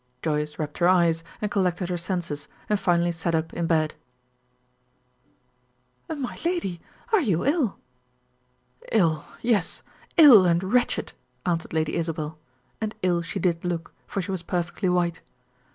Joyce rubbed her eyes, and collected her senses, and finally sat up in bed. "My lady! Are you ill?" "Ill! Yes; ill and wretched," answered Lady Isabel; and ill she did look, for she was perfectly white.